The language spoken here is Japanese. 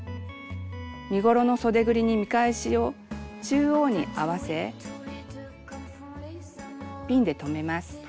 身ごろのそでぐりに見返しを中央に合わせピンで留めます。